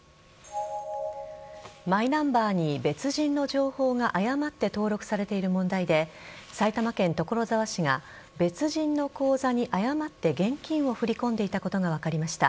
マイナンバーに別人の情報が誤って登録されている問題で埼玉県所沢市が別人の口座に誤って現金を振り込んでいたことが分かりました。